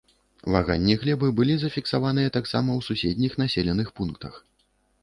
Ваганні глебы былі зафіксаваныя таксама ў суседніх населеных пунктах.